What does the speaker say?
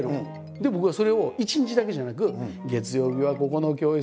僕はそれを一日だけじゃなく月曜日はここの教室